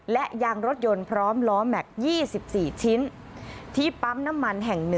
และยางรถยนต์พร้อมล้อแม็กซ์๒๔ชิ้นที่ปั๊มน้ำมันแห่ง๑